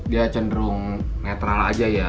dia cenderung netral aja ya